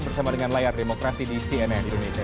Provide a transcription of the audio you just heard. bersama dengan layar demokrasi di cnn indonesia